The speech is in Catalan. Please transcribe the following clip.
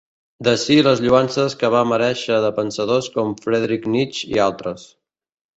D'ací les lloances que va merèixer de pensadors com Friedrich Nietzsche i altres.